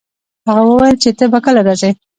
هغه وویل چي ته به کله راځي؟